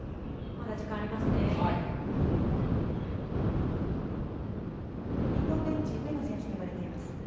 まだ時間ありますね。